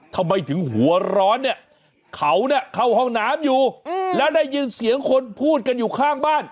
ทำไมถึงหัวร้อนเนี่ยเขาเนี่ยเข้าห้องน้ำอยู่แล้วได้ยินเสียงคนพูดกันอยู่ข้างบ้าน